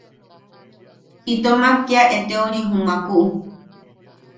Intomak kea eteori jumakuu.